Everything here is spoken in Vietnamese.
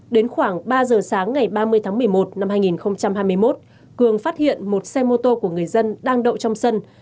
đến khoảng ba giờ sáng ngày ba mươi tháng một mươi một năm hai nghìn hai mươi một cường phát hiện một xe mô tô của người dân đang đậu trong sân